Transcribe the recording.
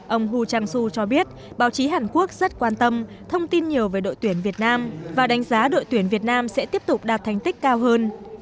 ông hu trang su cho biết báo chí hàn quốc rất quan tâm thông tin nhiều về đội tuyển việt nam và đánh giá đội tuyển việt nam sẽ tiếp tục đạt thành tích cao hơn